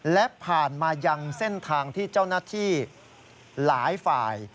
และผ่านมายังเส้นทางที่เจ้าหน้าที่หลายฝ่าย